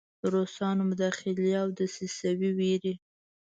د روسانو د مداخلې او دسیسو ویرې.